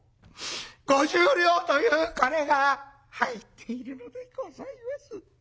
５０両という金が入っているのでございます。